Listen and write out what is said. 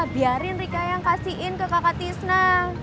biarin rika yang kasihin ke kakak tisna